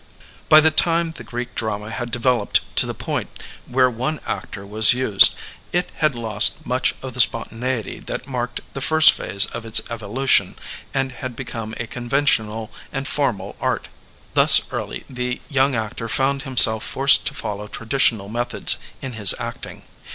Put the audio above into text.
^' By the time the Greek drama had developed to the point where one actor was used, it had lost much of the spontaneity that marked the first phase of its evolution and had become a conventional and formal art Thus early the young actor found himself forced to follow traditional methods in his acting.